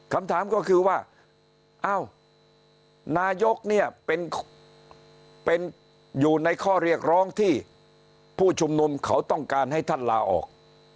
คำถามก็คือว่าเอ้านายกเนี่ยเป็นอยู่ในข้อเรียกร้องที่ผู้ชุมนุมเขาต้องการให้ท่านลาออก